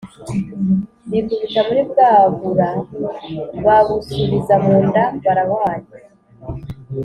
bakubita muri bwa bura babusubiza mu nda barahwanya.